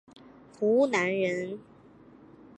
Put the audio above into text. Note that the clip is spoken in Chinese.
湖南人。